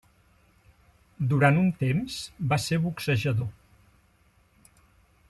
Durant un temps, va ser boxejador.